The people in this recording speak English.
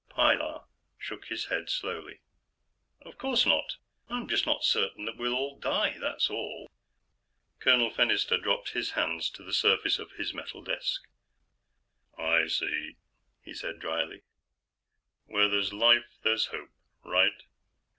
Pilar shook his head slowly. "Of course not. I'm just not certain that we'll all die that's all." Colonel Fennister dropped his hands to the surface of his metal desk. "I see," he said dryly. "Where there's life, there's hope. Right?